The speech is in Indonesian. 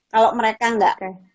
kalau mereka gak